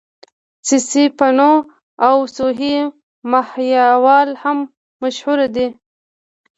سسي پنو او سوهني ماهيوال هم مشهور دي.